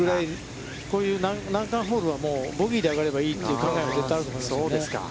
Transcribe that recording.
こういう難関ホールはボギーで上がればいいという考えは絶対あると思います。